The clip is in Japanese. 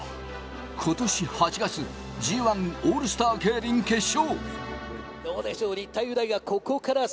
今年８月、Ｇ１オールスター競輪決勝。